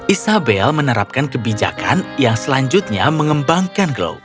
isabel menerapkan kebijakan yang selanjutnya mengembangkan glow